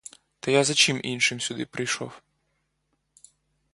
Та я за чим іншим сюди прийшов.